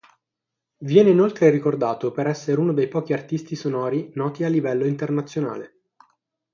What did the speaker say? Viene inoltre ricordato per essere uno dei pochi artisti sonori noti a livello internazionale.